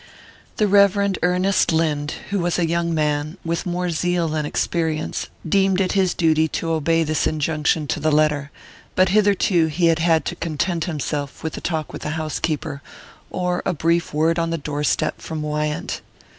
The Reverend Ernest Lynde, who was a young man, with more zeal than experience, deemed it his duty to obey this injunction to the letter; but hitherto he had had to content himself with a talk with the housekeeper, or a brief word on the doorstep from Wyant.